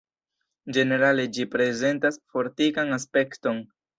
Ĝenerale ĝi prezentas fortikan aspekton.